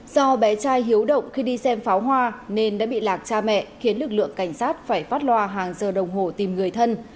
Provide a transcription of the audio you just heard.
do bé trai hiếu động khi đi xem pháo hoa nên đã bị lạc cha mẹ khiến lực lượng cảnh sát phải phát loa hàng giờ đồng hồ tìm người thân